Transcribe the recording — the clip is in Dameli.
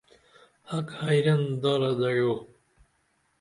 ہک حیرن دارہ دگعو